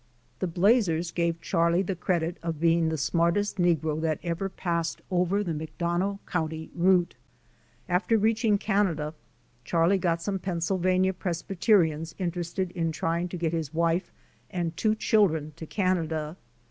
The Blazers gave Charlie the credit of being the smartest negro that ever passed over the McDonough county route. After reaching Canada Charlie got some Pennsylvania Pres byterians interested in trying to get his wife and two children to Canada.